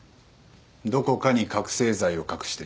どこかに覚醒剤を隠してる。